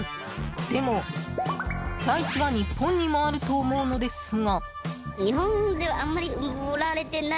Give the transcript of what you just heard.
でも、ライチは日本にもあると思うのですが。